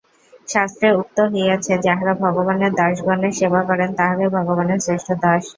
শাস্ত্রে উক্ত হইয়াছে, যাঁহারা ভগবানের দাসগণের সেবা করেন, তাঁহারাই ভগবানের শ্রেষ্ঠ দাস।